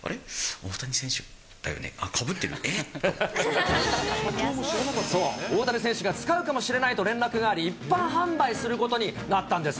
大谷選手だよね、あっ、かぶってる、そう、大谷選手が使うかもしれないと連絡があり、一般販売することになったんです。